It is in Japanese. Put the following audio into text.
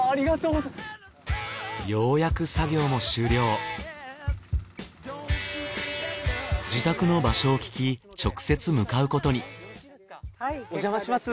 ようやく作業も終了自宅の場所を聞き直接向かうことにおじゃまします。